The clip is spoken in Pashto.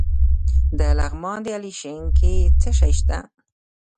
د لغمان په علیشنګ کې څه شی شته؟